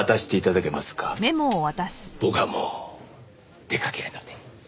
僕はもう出かけるので。